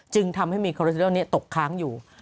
จึงทำให้มีคอเลเซอร์นี้ตกค้างอยู่